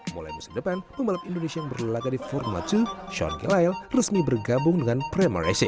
mulai musim depan pembalap indonesia yang berlulaga di formula dua sean gillile resmi bergabung dengan prima racing